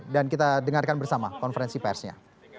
dan kita dengarkan bersama konferensi persnya